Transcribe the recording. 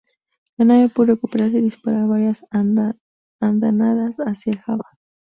La nave pudo recuperarse y disparar varias andanadas hacia el "Java".